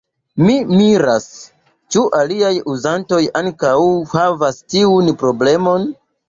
Mi miras, ĉu aliaj Uzantoj ankaŭ havas tiun Problemon.